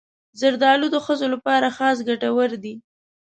زردالو د ښځو لپاره خاص ګټور دی.